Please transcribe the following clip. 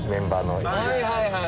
はいはいはい！